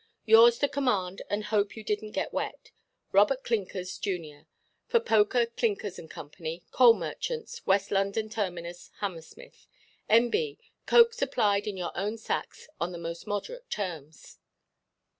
"Yours to command, and hope you didnʼt get wet, "ROBERT CLINKERS, Jun., for POKER, CLINKERS, and Co., Coal Merchants, West London Terminuss, Hammersmith. "N.B.—Coke supplied in your own sacks, on the most moderate terms."